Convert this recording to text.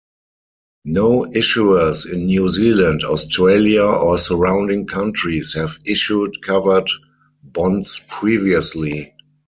No issuers in New Zealand, Australia or surrounding countries have issued covered bonds previously.